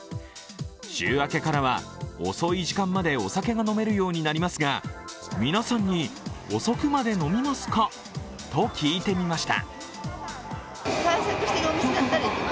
週明けからは遅い時間までお酒が飲めるようになりますが皆さんに遅くまで飲みますかと聞いてみました。